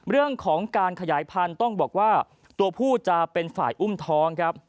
เรื่องของการขยายพันธุ์ต้องบอกว่าตัวผู้จะเป็นฝ่ายอุ้มท้องครับ